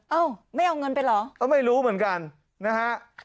เอ้าไม่เอาเงินไปเหรอก็ไม่รู้เหมือนกันนะฮะ